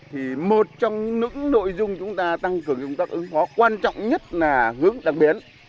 thì một trong những nội dung chúng ta tăng cường chúng ta ứng hóa quan trọng nhất là hướng đặc biệt